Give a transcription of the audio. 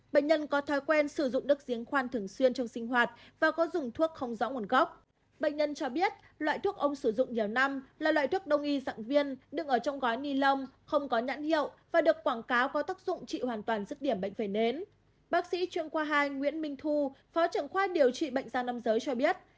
bác sĩ trưởng khoa hai nguyễn minh thu phó trưởng khoa điều trị bệnh gia năm giới cho biết